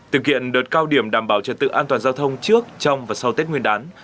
thực hiện đợt cao điểm đảm bảo trật tự an toàn giao thông trước trong và sau tết nguyên đán